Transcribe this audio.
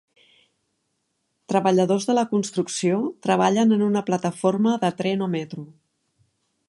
Treballadors de la construcció treballen en una plataforma de tren o metro.